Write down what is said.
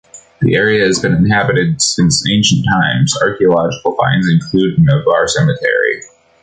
The area has been inhabited since ancient times; archaeological finds include an Avar cemetery.